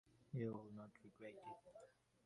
You will not regret it.